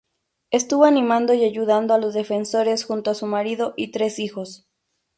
Estuvo animando y ayudando a los defensores junto a su marido y tres hijos.